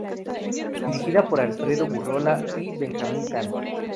Dirigida por Alfredo Gurrola y Benjamín Cann.